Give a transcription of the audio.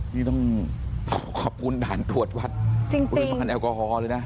นี่ต้องขอบคุณด่านตรวจวัดปริมาณแอลกอฮอล์เลยนะ